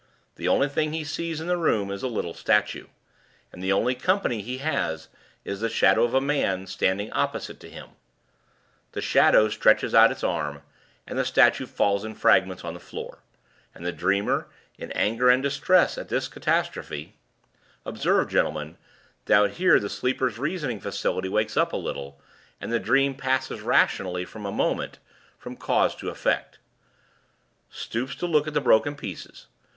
The only thing he sees in the room is a little statue; and the only company he has is the Shadow of a Man standing opposite to him. The Shadow stretches out its arm, and the statue falls in fragments on the floor; and the dreamer, in anger and distress at the catastrophe (observe, gentlemen, that here the sleeper's reasoning faculty wakes up a little, and the dream passes rationally, for a moment, from cause to effect), stoops to look at the broken pieces.